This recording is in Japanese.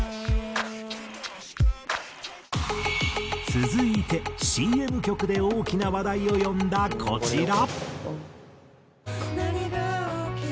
続いてＣＭ曲で大きな話題を呼んだこちら。